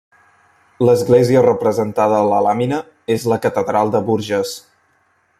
L'església representada a la làmina és la catedral de Bourges.